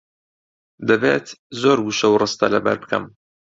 دەبێت زۆر وشە و ڕستە لەبەر بکەم.